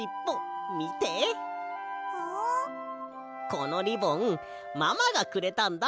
このリボンママがくれたんだ。